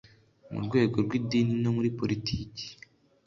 mu rwego rw idini no muri politiki